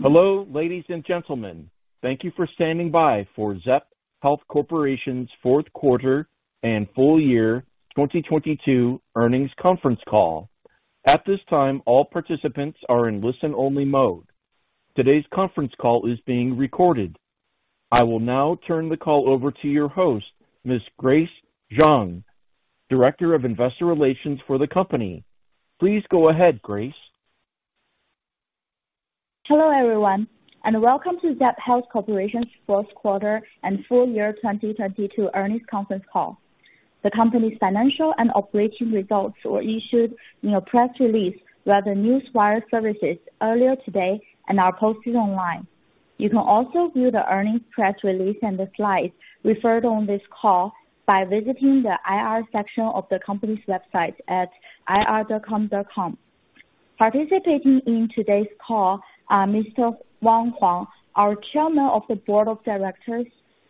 Hello, ladies and gentlemen. Thank you for standing by for Zepp Health Corporation's Q4 and Full Year 2022 Earnings Conference Call. At this time, all participants are in listen-only mode. Today's conference call is being recorded. I will now turn the call over to your host, Miss Grace Zhang, Director of Investor Relations for the company. Please go ahead, Grace. Hello, everyone, and welcome to Zepp Health Corporation's Q4 and Full Year 2022 Earnings Conference Call. The company's financial and operating results were issued in a press release by the Newswire services earlier today and are posted online. You can also view the earnings press release and the slides referred on this call by visiting the IR section of the company's website at ir.com.com. Participating in today's call are Mr. Wang Huang, our Chairman of the Board of Directors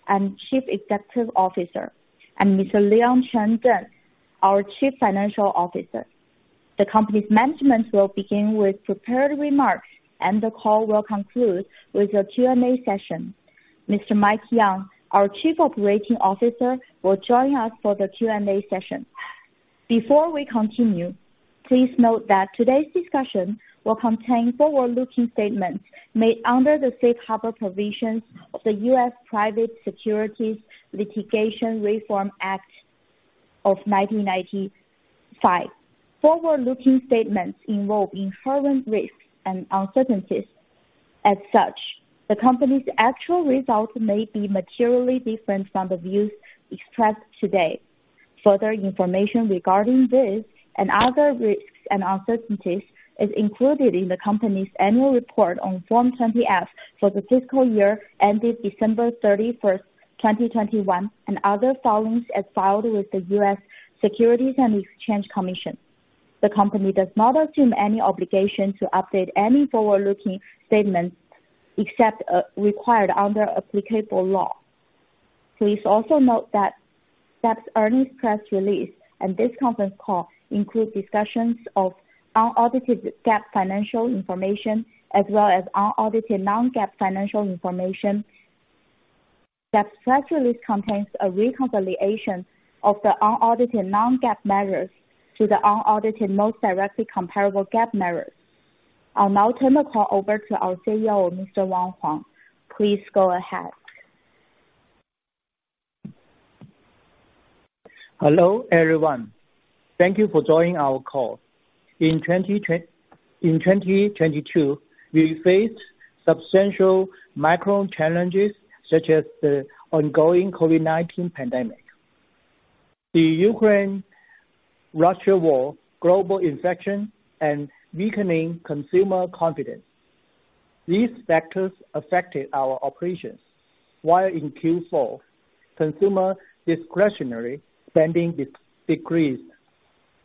and Chief Executive Officer, and Mr. Leon Cheng Deng, our Chief Financial Officer. The company's management will begin with prepared remarks, and the call will conclude with a Q&A session. Mr. Mike Yang, our Chief Operating Officer, will join us for the Q&A session. Before we continue, please note that today's discussion will contain forward-looking statements made under the Safe Harbor Provisions of the U.S. Private Securities Litigation Reform Act of 1995. Forward-looking statements involve inherent risks and uncertainties. As such, the company's actual results may be materially different from the views expressed today. Further information regarding this and other risks and uncertainties is included in the company's annual report on Form 20-F for the fiscal year ended December 31st, 2021, and other filings as filed with the U.S. Securities and Exchange Commission. The company does not assume any obligation to update any forward-looking statements except required under applicable law. Please also note that Zepp's earnings press release and this conference call include discussions of unaudited Zepp financial information as well as unaudited non-Zepp financial information. Zepp's press release contains a reconciliation of the unaudited non-Zepp measures to the unaudited most directly comparable Zepp measures. I'll now turn the call over to our CEO, Mr. Wang Huang. Please go ahead. Hello, everyone. Thank you for joining our call. In 2022, we faced substantial macro challenges such as the ongoing COVID-19 pandemic, the Ukraine-Russia war, global inflation, and weakening consumer confidence. These factors affected our operations. While in Q4, consumer discretionary spending decreased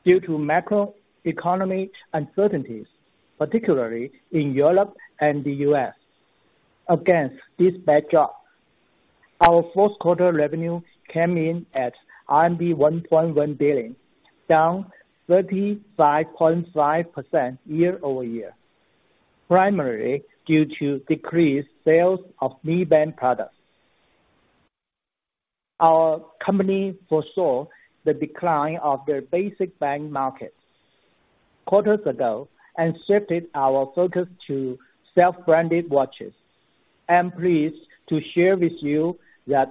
due to macro economy uncertainties, particularly in Europe and the U.S. Against this backdrop, our Q4 revenue came in at RMB 1.1 billion, down 35.5% year-over-year, primarily due to decreased sales of Mi Band products. Our company foresaw the decline of their basic band market quarters ago and shifted our focus to self-branded watches. I am pleased to share with you that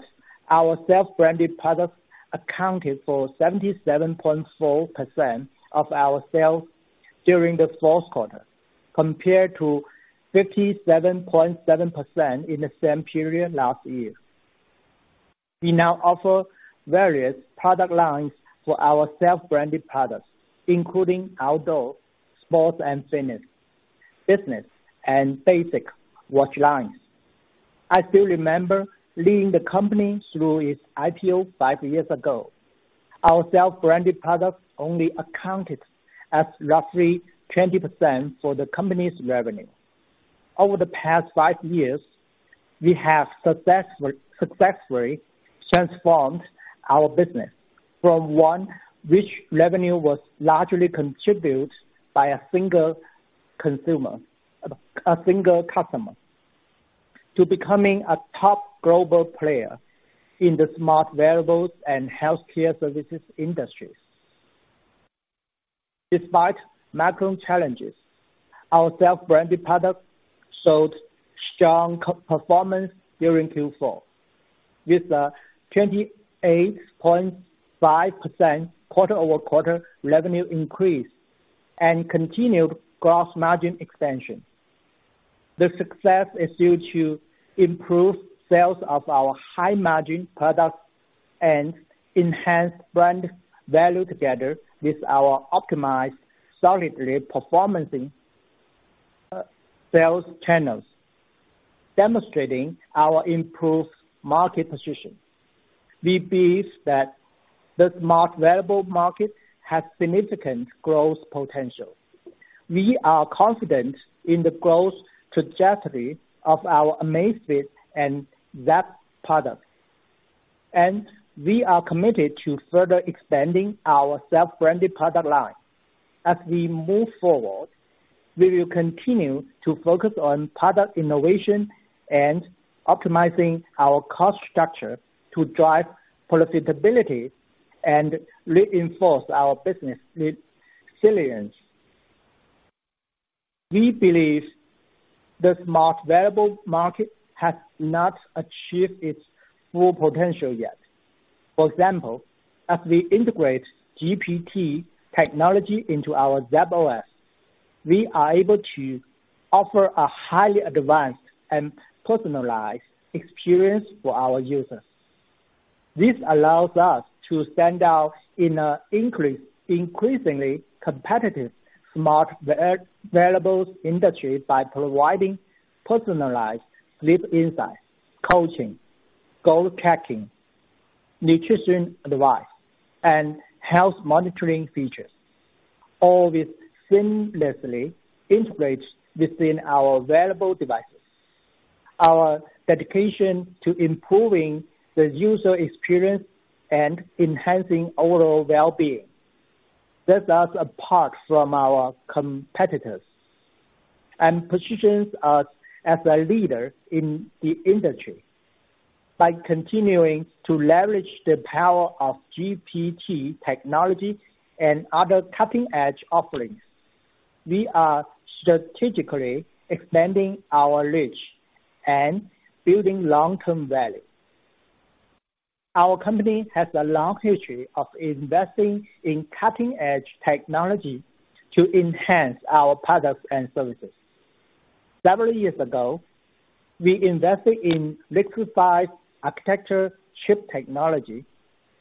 our self-branded products accounted for 77.4% of our sales during the Q4, compared to 57.7% in the same period last year. We now offer various product lines for our self-branded products, including outdoor, sports and fitness, business, and basic watch lines. I still remember leading the company through its IPO five years ago. Our self-branded products only accounted as roughly 20% for the company's revenue. Over the past five years, we have successfully transformed our business from one which revenue was largely contributed by a single customer, to becoming a top global player in the smart wearables and healthcare services industries. Despite macro challenges, our self-branded products showed strong performance during Q4, with a 28.5% quarter-over-quarter revenue increase and continued gross margin expansion. The success is due to improved sales of our high-margin products and enhanced brand value together with our optimized solidly performancing sales channels, demonstrating our improved market position. We believe that the smart wearable market has significant growth potential. We are confident in the growth trajectory of our Amazfit and Zepp products. We are committed to further expanding our self-branded product line. As we move forward, we will continue to focus on product innovation and optimizing our cost structure to drive profitability and reinforce our business resilience. We believe the smart wearable market has not achieved its full potential yet. For example, as we integrate GPT technology into our Zepp OS, we are able to offer a highly advanced and personalized experience for our users. This allows us to stand out in an increasingly competitive smart wearables industry by providing personalized sleep insights, coaching, goal tracking, nutrition advice, and health monitoring features, all with seamlessly integrated within our wearable devices. Our dedication to improving the user experience and enhancing overall well-being sets us apart from our competitors and positions us as a leader in the industry. By continuing to leverage the power of GPT technology and other cutting-edge offerings, we are strategically expanding our reach and building long-term value. Our company has a long history of investing in cutting-edge technology to enhance our products and services. Several years ago, we invested in RISC-V architecture chip technology,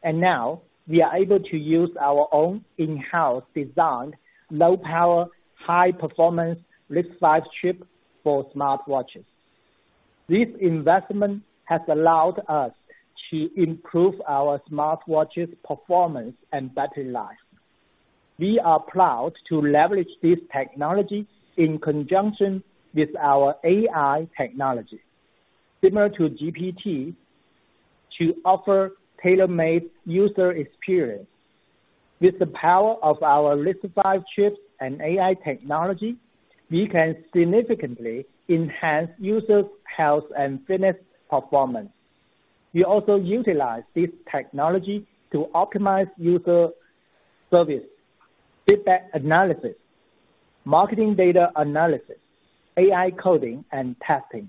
and now we are able to use our own in-house designed low-power, high-performance RISC-V chip for smartwatches. This investment has allowed us to improve our smartwatches' performance and battery life. We are proud to leverage this technology in conjunction with our AI technology, similar to GPT, to offer tailor-made user experience. With the power of our RISC-V chips and AI technology, we can significantly enhance users' health and fitness performance. We also utilize this technology to optimize user service, feedback analysis, marketing data analysis, AI coding, and testing,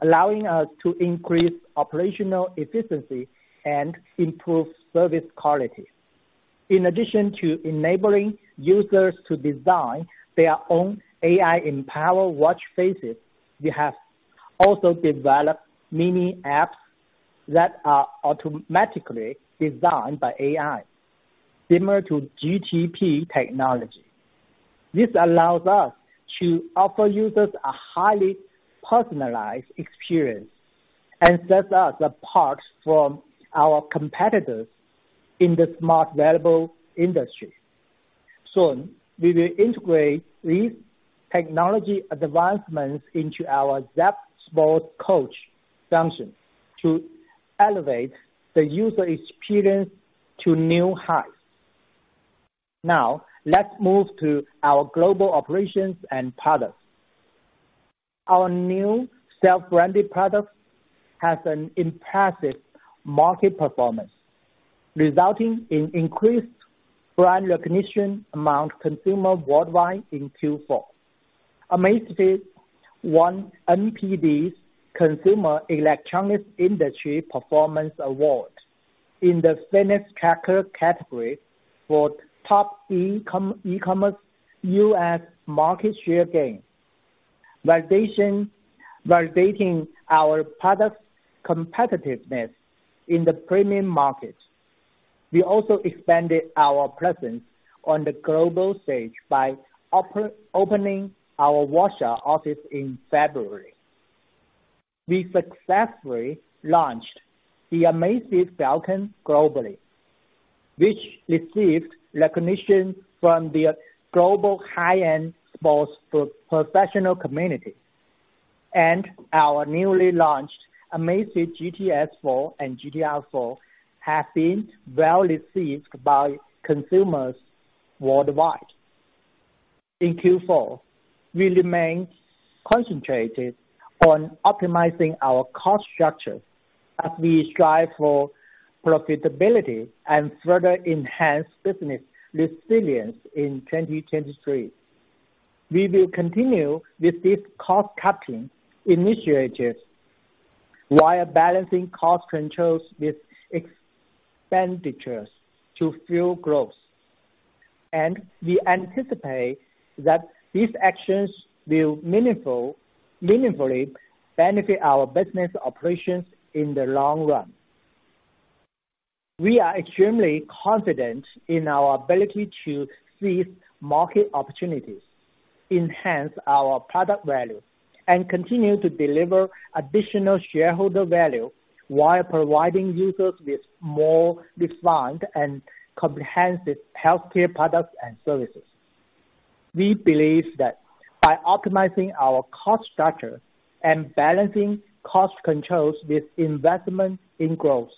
allowing us to increase operational efficiency and improve service quality. In addition to enabling users to design their own AI-empowered watch faces, we have also developed mini apps that are automatically designed by AI, similar to GPT technology. This allows us to offer users a highly personalized experience and sets us apart from our competitors in the smart wearable industry. Soon, we will integrate these technology advancements into our Zepp Coach function to elevate the user experience to new heights. Now, let's move to our global operations and products. Our new self-branded product has an impressive market performance, resulting in increased brand recognition among consumers worldwide in Q4. Amazfit won NPD's Consumer Electronics Industry Performance Award in the fitness tracker category for top e-commerce U.S. market share gain, validating our product's competitiveness in the premium market. We also expanded our presence on the global stage by opening our Russia office in February. We successfully launched the Amazfit Falcon globally, which received recognition from the global high-end sports professional community, and our newly launched Amazfit GTS 4 and GTR 4 have been well received by consumers worldwide. In Q4, we remain concentrated on optimizing our cost structure as we strive for profitability and further enhance business resilience in 2023. We will continue with these cost-cutting initiatives while balancing cost controls with expenditures to fuel growth. We anticipate that these actions will meaningfully benefit our business operations in the long run. We are extremely confident in our ability to seize market opportunities, enhance our product value, and continue to deliver additional shareholder value while providing users with more refined and comprehensive healthcare products and services. We believe that by optimizing our cost structure and balancing cost controls with investment in growth,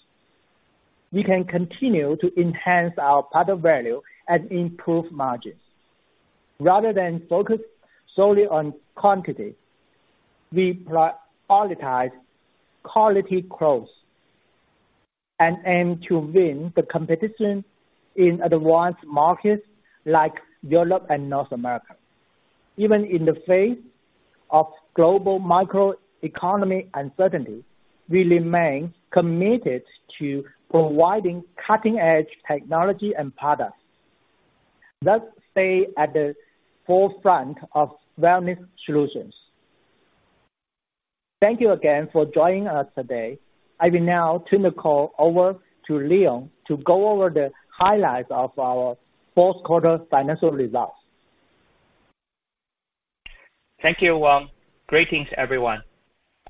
we can continue to enhance our product value and improve margin. Rather than focus solely on quantity, we prioritize quality growth, and aim to win the competition in advanced markets like Europe and North America. Even in the face of global microeconomy uncertainty, we remain committed to providing cutting-edge technology and products, thus stay at the forefront of wellness solutions. Thank you again for joining us today. I will now turn the call over to Leon to go over the highlights of our Q4 financial results. Thank you, Wang. Greetings, everyone.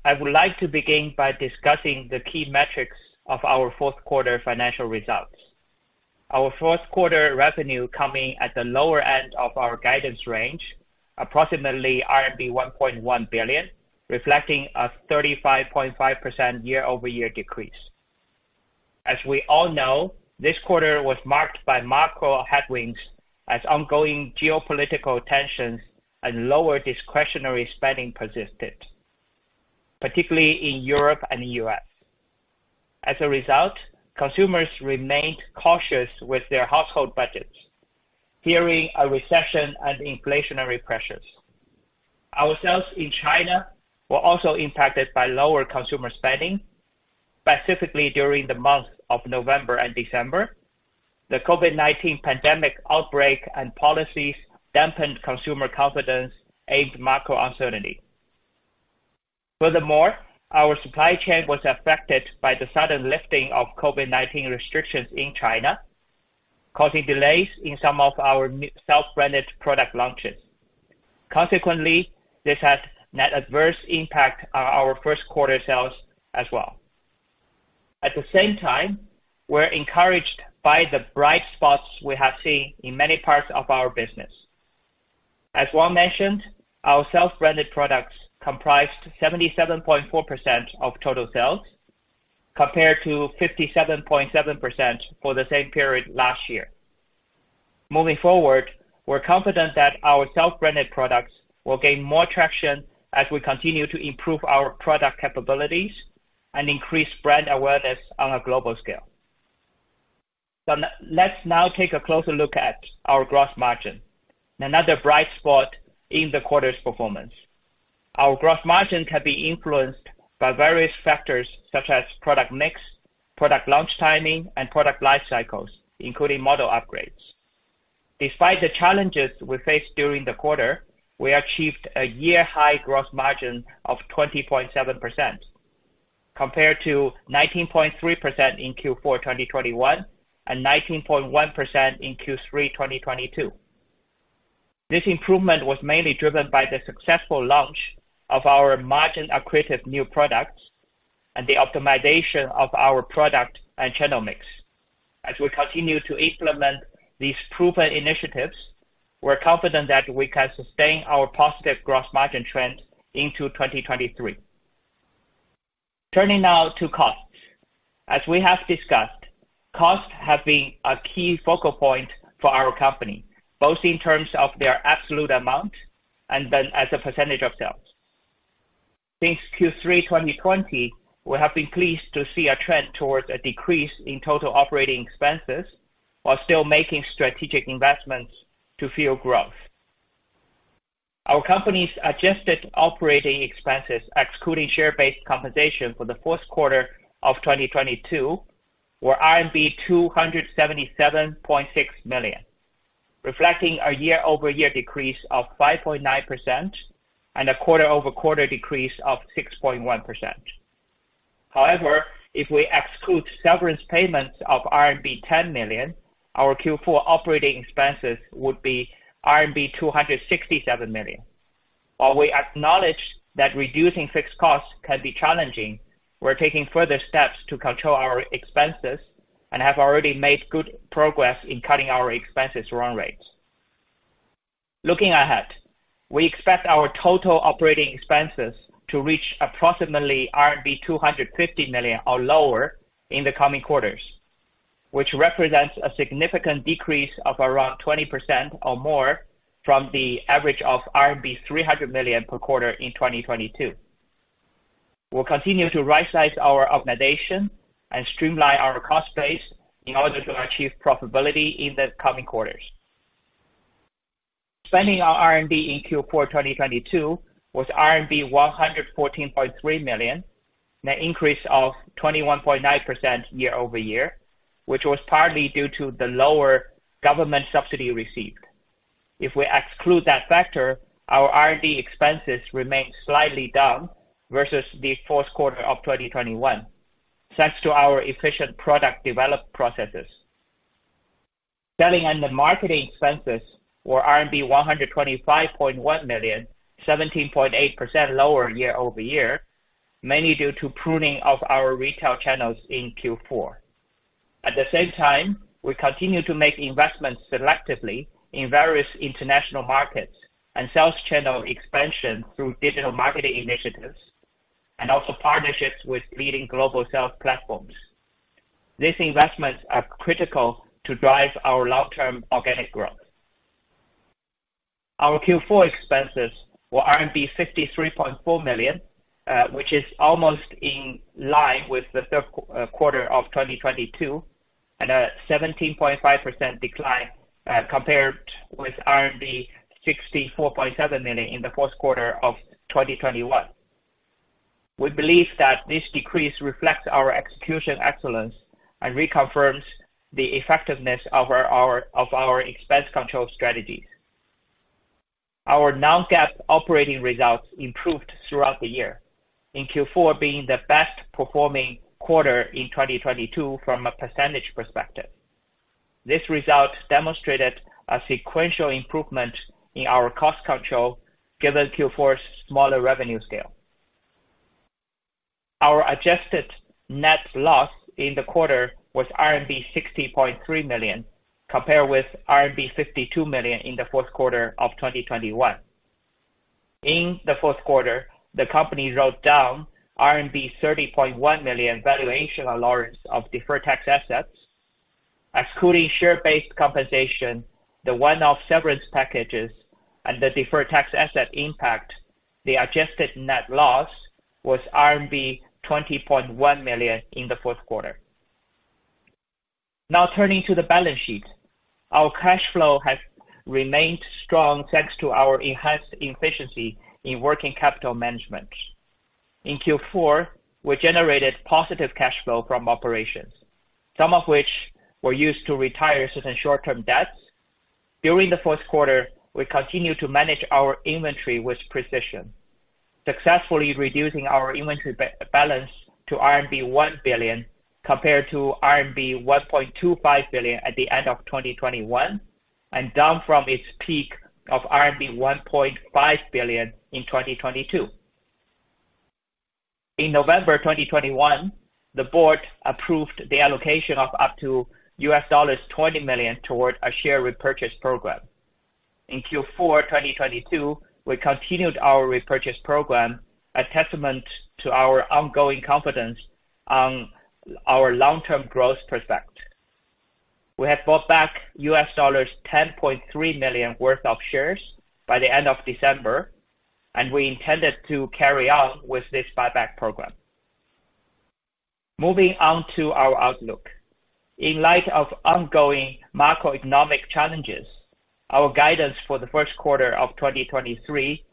I would like to begin by discussing the key metrics of our Q4 financial results. Our Q4 revenue coming at the lower end of our guidance range, approximately RMB 1.1 billion, reflecting a 35.5% year-over-year decrease. We all know, this quarter was marked by macro headwinds as ongoing geopolitical tensions and lower discretionary spending persisted, particularly in Europe and the U.S. A result, consumers remained cautious with their household budgets, fearing a recession and inflationary pressures. Our sales in China were also impacted by lower consumer spending, specifically during the months of November and December. The COVID-19 pandemic outbreak and policies dampened consumer confidence amid macro uncertainty. Our supply chain was affected by the sudden lifting of COVID-19 restrictions in China, causing delays in some of our new self-branded product launches. Consequently, this has net adverse impact on our Q1 sales as well. At the same time, we're encouraged by the bright spots we have seen in many parts of our business. As Wang mentioned, our self-branded products comprised 77.4% of total sales, compared to 57.7% for the same period last year. Moving forward, we're confident that our self-branded products will gain more traction as we continue to improve our product capabilities and increase brand awareness on a global scale. Let's now take a closer look at our gross margin, another bright spot in the quarter's performance. Our gross margin can be influenced by various factors such as product mix, product launch timing, and product life cycles, including model upgrades. Despite the challenges we faced during the quarter, we achieved a year-high gross margin of 20.7%, compared to 19.3% in Q4 2021, and 19.1% in Q3 2022. This improvement was mainly driven by the successful launch of our margin-accretive new products and the optimization of our product and channel mix. As we continue to implement these proven initiatives, we're confident that we can sustain our positive gross margin trend into 2023. Turning now to costs. As we have discussed, costs have been a key focal point for our company, both in terms of their absolute amount and then as a percentage of sales. Since Q3 2020, we have been pleased to see a trend towards a decrease in total operating expenses while still making strategic investments to fuel growth. Our company's adjusted operating expenses, excluding share-based compensation for the Q4 of 2022, were RMB 277.6 million, reflecting a year-over-year decrease of 5.9% and a quarter-over-quarter decrease of 6.1%. However, if we exclude severance payments of RMB 10 million, our Q4 operating expenses would be RMB 267 million. While we acknowledge that reducing fixed costs can be challenging, we're taking further steps to control our expenses and have already made good progress in cutting our expenses run rates. Looking ahead, we expect our total operating expenses to reach approximately RMB 250 million or lower in the coming quarters, which represents a significant decrease of around 20% or more from the average of RMB 300 million per quarter in 2022. We'll continue to rightsize our optimization and streamline our cost base in order to achieve profitability in the coming quarters. Spending on R&D in Q4, 2022 was RMB 114.3 million, net increase of 21.9% year-over-year, which was partly due to the lower government subsidy received. If we exclude that factor, our R&D expenses remain slightly down versus the Q4 of 2021, thanks to our efficient product develop processes. Selling and the marketing expenses were RMB 125.1 million, 17.8% lower year-over-year, mainly due to pruning of our retail channels in Q4. At the same time, we continue to make investments selectively in various international markets and sales channel expansion through digital marketing initiatives, and also partnerships with leading global sales platforms. These investments are critical to drive our long-term organic growth. Our Q4 expenses were RMB 53.4 million, which is almost in line with the Q3 of 2022, and a 17.5% decline compared with RMB 64.7 million in the Q4 of 2021. We believe that this decrease reflects our execution excellence and reconfirms the effectiveness of our of our expense control strategies. Our non-GAAP operating results improved throughout the year. In Q4 being the best performing quarter in 2022 from a percentage perspective. This result demonstrated a sequential improvement in our cost control given Q4's smaller revenue scale. Our adjusted net loss in the quarter was RMB 60.3 million, compared with RMB 52 million in the Q4 of 2021. In the Q4, the company wrote down RMB 30.1 million valuation allowance of deferred tax assets. Excluding share-based compensation, the one-off severance packages and the deferred tax asset impact, the adjusted net loss was RMB 20.1 million in the Q4. Turning to the balance sheet. Our cash flow has remained strong thanks to our enhanced efficiency in working capital management. In Q4, we generated positive cash flow from operations, some of which were used to retire certain short-term debts. During the Q4, we continued to manage our inventory with precision, successfully reducing our inventory balance to RMB 1 billion, compared to RMB 1.25 billion at the end of 2021, and down from its peak of RMB 1.5 billion in 2022. In November 2021, the board approved the allocation of up to $20 million toward a share repurchase program. In Q4 2022, we continued our repurchase program, a testament to our ongoing confidence on our long-term growth prospect. We have bought back $10.3 million worth of shares by the end of December, and we intended to carry on with this buyback program. Moving on to our outlook. In light of ongoing macroeconomic challenges, our guidance for the Q1 of 2023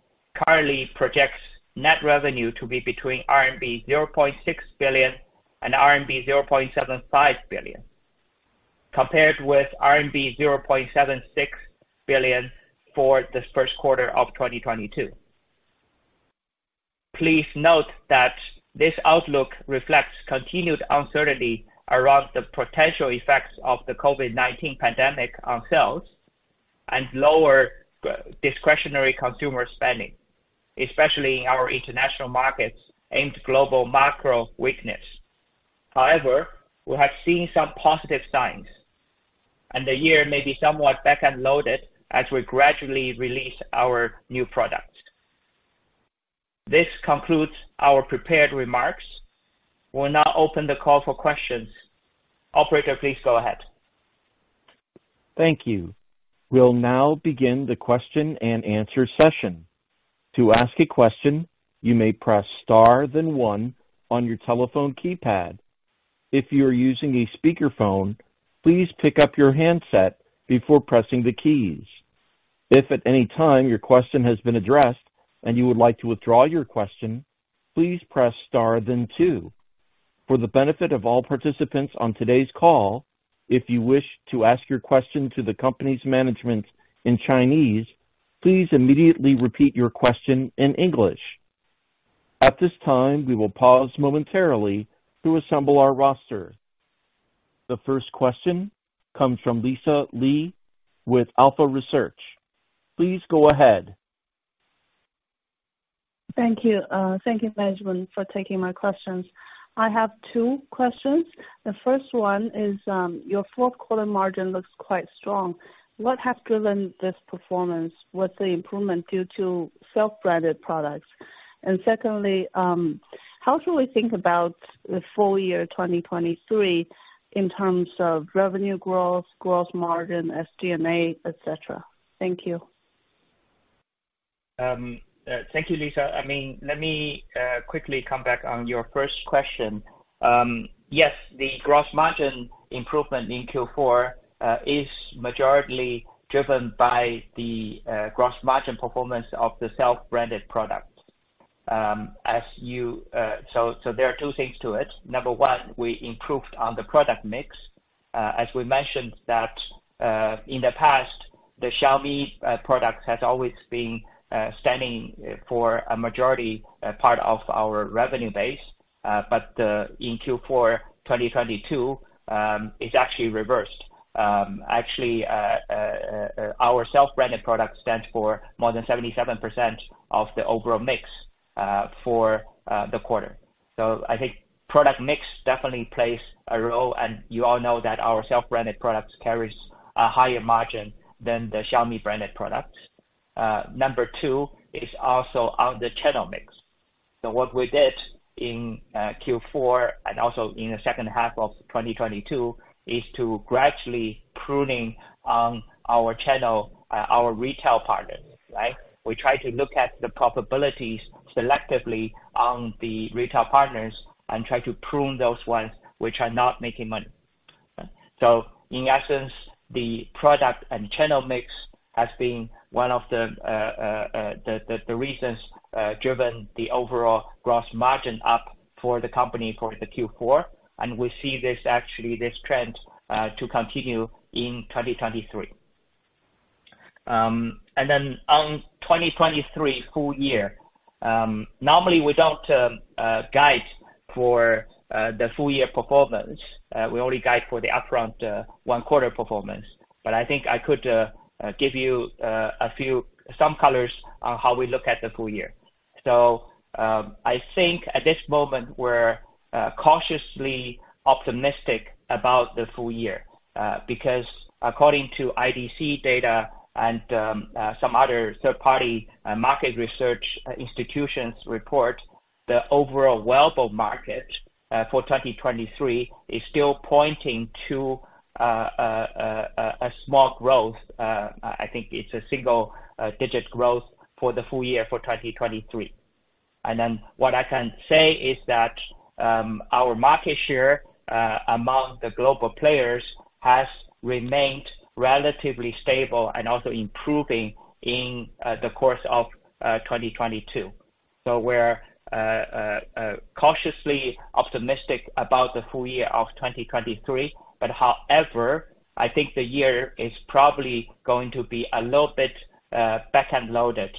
currently projects net revenue to be between RMB 0.6 billion and RMB 0.75 billion, compared with RMB 0.76 billion for this Q1 of 2022. Please note that this outlook reflects continued uncertainty around the potential effects of the COVID-19 pandemic on sales and lower discretionary consumer spending, especially in our international markets and global macro weakness. We have seen some positive signs, and the year may be somewhat back and loaded as we gradually release our new products. This concludes our prepared remarks. We'll now open the call for questions. Operator, please go ahead. Thank you. We'll now begin the question-and-answer session. To ask a question, you may press star then one on your telephone keypad. If you are using a speakerphone, please pick up your handset before pressing the keys. If at any time your question has been addressed and you would like to withdraw your question, please press star then two. For the benefit of all participants on today's call, if you wish to ask your question to the company's management in Chinese, please immediately repeat your question in English. At this time, we will pause momentarily to assemble our roster. The first question comes from Lisa Lee with Alpha Research. Please go ahead. Thank you. Thank you management for taking my questions. I have two questions. The first one is, your Q4 margin looks quite strong. What has driven this performance? Was the improvement due to self-branded products? Secondly, how should we think about the full year 2023 in terms of revenue growth, gross margin, SG&A, et cetera? Thank you. Thank you, Lisa. I mean, let me quickly come back on your first question. Yes, the gross margin improvement in Q4 is majority driven by the gross margin performance of the self-branded products. So there are two things to it. Number one, we improved on the product mix. As we mentioned that, in the past, the Xiaomi product has always been standing for a majority part of our revenue base. In Q4 2022, it's actually reversed. Actually, our self-branded products stands for more than 77% of the overall mix. For the quarter. I think product mix definitely plays a role, and you all know that our self-branded products carries a higher margin than the Xiaomi branded products. Number two is also on the channel mix. What we did in Q4 and also in the second half of 2022 is to gradually pruning on our channel, our retail partners, right? We try to look at the probabilities selectively on the retail partners and try to prune those ones which are not making money. In essence, the product and channel mix has been one of the reasons driven the overall gross margin up for the company for the Q4. We see this actually, this trend to continue in 2023. Then on 2023 full year, normally we don't guide for the full year performance. We only guide for the upfront 1 quarter performance. I think I could give you a few, some colors on how we look at the full year. I think at this moment, we're cautiously optimistic about the full year. Because according to IDC data and some other third party market research institutions report, the overall wealth of market for 2023 is still pointing to a small growth. I think it's a single digit growth for the full year for 2023. What I can say is that our market share among the global players has remained relatively stable and also improving in the course of 2022. We're cautiously optimistic about the full year of 2023. However, I think the year is probably going to be a little bit back-end loaded.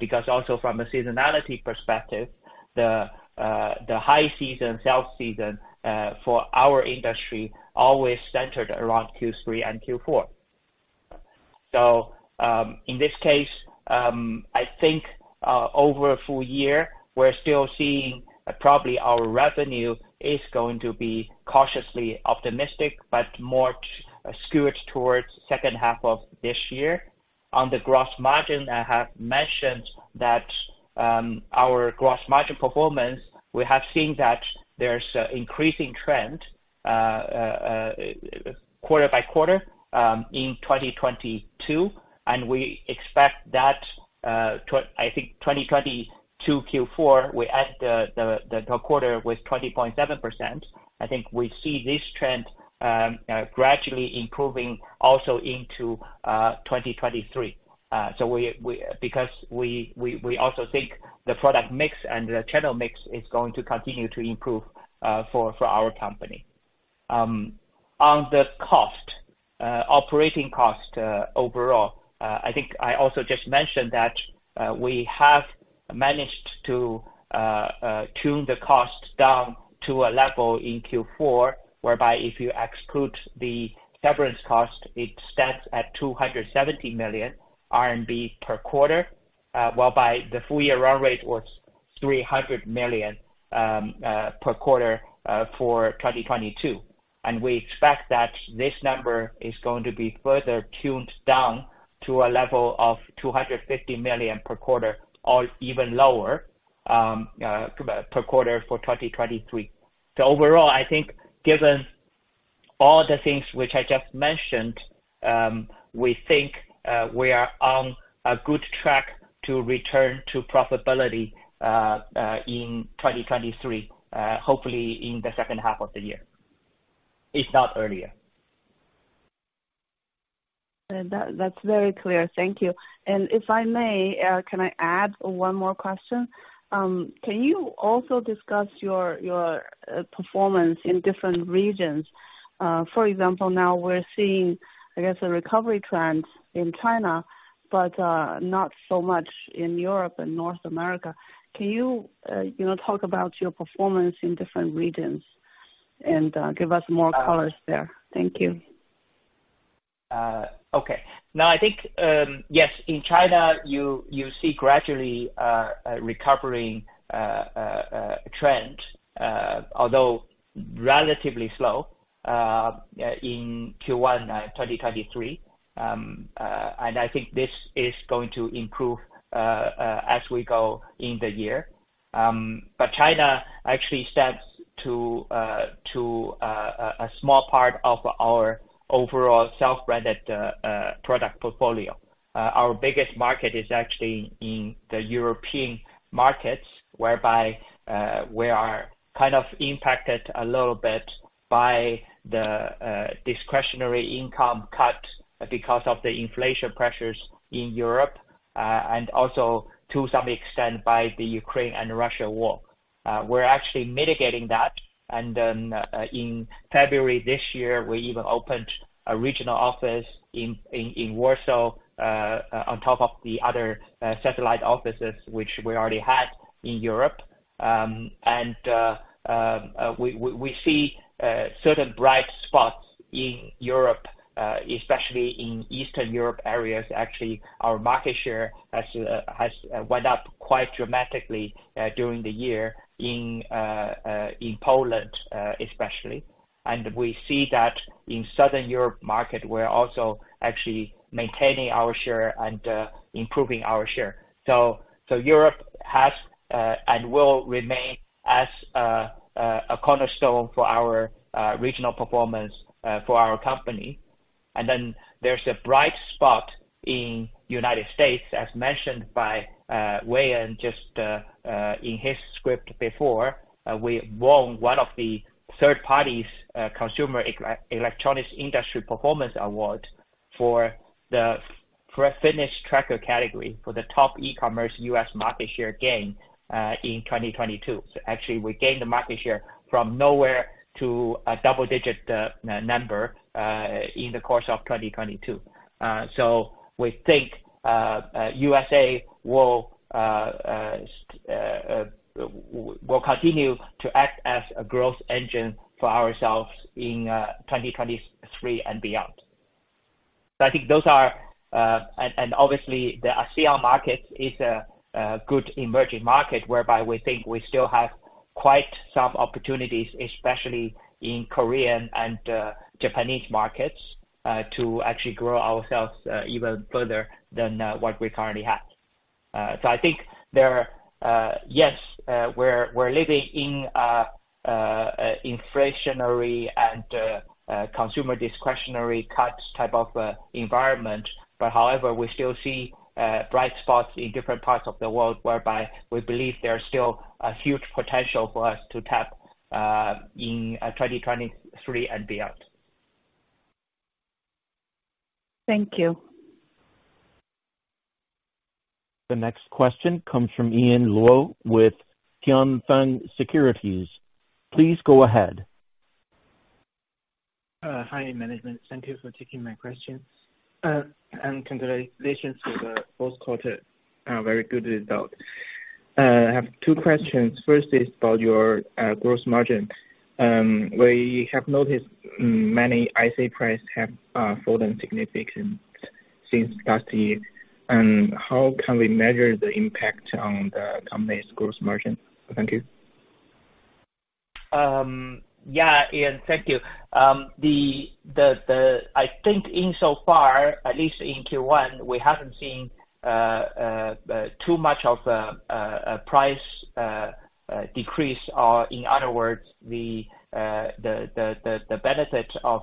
Because also from a seasonality perspective, the high season, sales season for our industry always centered around Q3 and Q4. In this case, I think over a full year, we're still seeing probably our revenue is going to be cautiously optimistic, but more skewed towards second half of this year. On the gross margin, I have mentioned that our gross margin performance, we have seen that there's an increasing trend quarter by quarter in 2022, and we expect that I think 2022 Q4, we end the quarter with 20.7%. I think we see this trend gradually improving also into 2023. We because we also think the product mix and the channel mix is going to continue to improve for our company. On the cost, operating cost, overall, I think I also just mentioned that we have managed to tune the cost down to a level in Q4, whereby if you exclude the severance cost, it stands at 270 million RMB per quarter, whereby the full year run rate was 300 million per quarter for 2022. We expect that this number is going to be further tuned down to a level of 250 million per quarter or even lower per quarter for 2023. Overall, I think given all the things which I just mentioned, we think we are on a good track to return to profitability in 2023, hopefully in the second half of the year. If not earlier. That's very clear. Thank you. If I may, can I add one more question? Can you also discuss your performance in different regions? For example, now we're seeing, I guess, a recovery trend in China, not so much in Europe and North America. Can you know, talk about your performance in different regions, give us more colors there? Thank you. Okay. Now, I think, yes, in China, you see gradually a recovering trend, although relatively slow in Q1 2023. I think this is going to improve as we go in the year. China actually stands to a small part of our overall self-branded product portfolio. Our biggest market is actually in the European markets, whereby we are kind of impacted a little bit by the discretionary income cut because of the inflation pressures in Europe, and also to some extent by the Ukraine and Russia war. We're actually mitigating that. Then, in February this year, we even opened a regional office in Warsaw, on top of the other, satellite offices which we already had in Europe. We see, certain bright spots in Europe, especially in Eastern Europe areas. Actually, our market share has went up quite dramatically, during the year in Poland, especially. We see that in Southern Europe market, we're also actually maintaining our share and, improving our share. Europe has, and will remain as, a cornerstone for our, regional performance, for our company. There's a bright spot in United States, as mentioned by Wei, in his script before, we won one of the third parties, Consumer Electronics Industry Performance Awards for the fitness tracker category for the top e-commerce U.S. market share gain in 2022. Actually, we gained the market share from nowhere to a double-digit number in the course of 2022. We think U.S. will continue to act as a growth engine for ourselves in 2023 and beyond. I think those are obviously the ASEAN markets is a good emerging market whereby we think we still have quite some opportunities, especially in Korean and Japanese markets to actually grow ourselves even further than what we currently have. I think there are, yes, we're living in an inflationary and consumer discretionary cut type of environment. However, we still see bright spots in different parts of the world whereby we believe there are still a huge potential for us to tap in 2023 and beyond. Thank you. The next question comes from Ian Luo with Tianfeng Securities. Please go ahead. Hi, management. Thank you for taking my questions. Congratulations to the Q4, very good result. I have two questions. First is about your gross margin. We have noticed many IC price have fallen significantly since last year. How can we measure the impact on the company's gross margin? Thank you. Yeah, Ian, thank you. I think in so far, at least in Q1, we haven't seen too much of the price decrease. In other words, the benefit of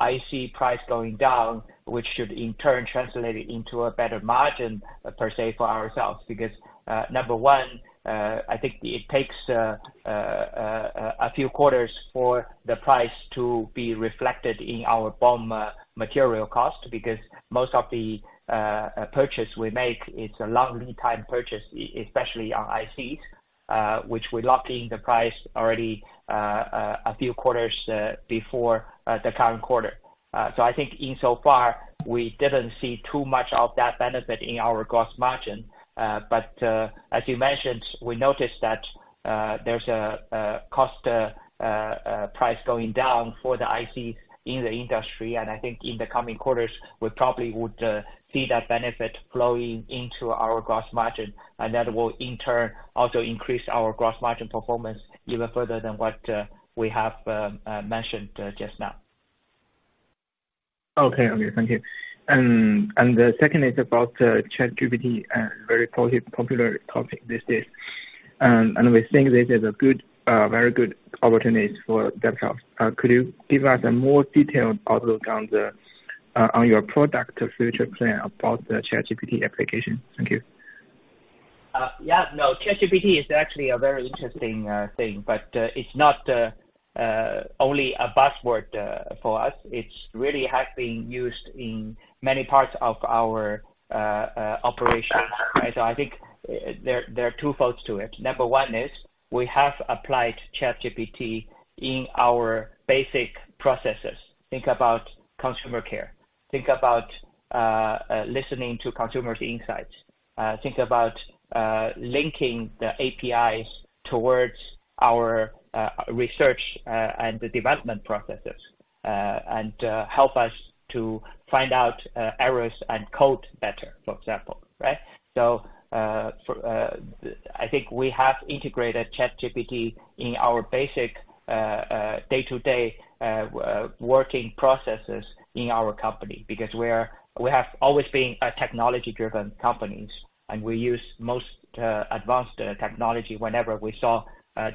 IC price going down, which should in turn translate into a better margin per se for ourselves. Number one, I think it takes a few quarters for the price to be reflected in our BOM material cost, because most of the purchase we make, it's a long lead time purchase, especially on ICs, which we lock in the price already a few quarters before the current quarter. I think in so far, we didn't see too much of that benefit in our gross margin. As you mentioned, we noticed that there's a cost price going down for the IC in the industry. I think in the coming quarters, we probably would see that benefit flowing into our gross margin, and that will in turn also increase our gross margin performance even further than what we have mentioned just now. Okay. Okay. Thank you. The second is about ChatGPT, very popular topic these days. We think this is a good, very good opportunity for Zepp Health. Could you give us a more detailed outlook on the, on your product future plan about the ChatGPT application? Thank you. Yeah. No, ChatGPT is actually a very interesting thing, but it's not only a buzzword for us. It's really has been used in many parts of our operations, right? I think there are two folds to it. Number one is we have applied ChatGPT in our basic processes. Think about customer care. Think about listening to customers' insights. Think about linking the APIs towards our research and development processes and help us to find out errors and code better, for example, right? For, I think we have integrated ChatGPT in our basic day-to-day working processes in our company, because we have always been a technology-driven companies, and we use most advanced technology whenever we saw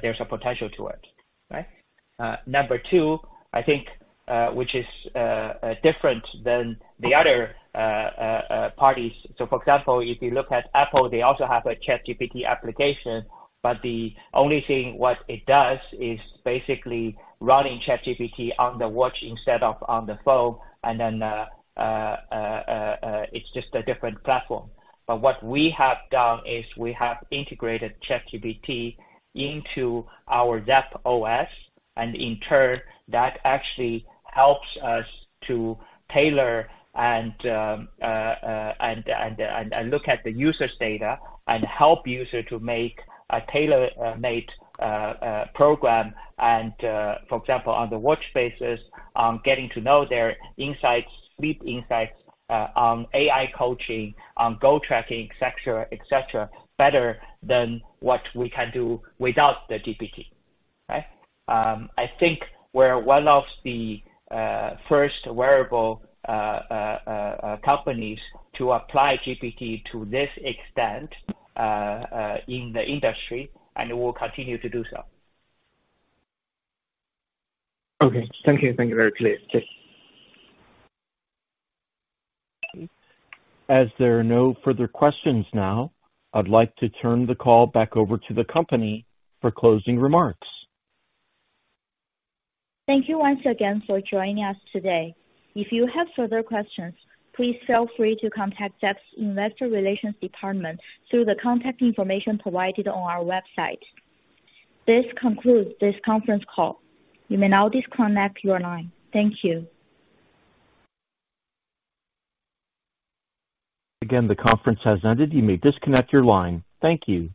there's a potential to it, right? Number two, I think, which is different than the other parties. For example, if you look at Apple, they also have a ChatGPT application, but the only thing what it does is basically running ChatGPT on the watch instead of on the phone, and then it's just a different platform. What we have done is we have integrated ChatGPT into our Zepp OS, and in turn, that actually helps us to tailor and look at the user's data and help user to make a tailor nate program. For example, on the watch faces, getting to know their insights, sleep insights, on AI coaching, on goal tracking, et cetera, better than what we can do without the GPT, right? I think we're one of the first wearable companies to apply GPT to this extent in the industry, and we will continue to do so. Okay. Thank you. Thank you very clear. Cheers. As there are no further questions now, I'd like to turn the call back over to the company for closing remarks. Thank you once again for joining us today. If you have further questions, please feel free to contact Zepp's Investor Relations Department through the contact information provided on our website. This concludes this conference call. You may now disconnect your line. Thank you. Again, the conference has ended. You may disconnect your line. Thank you.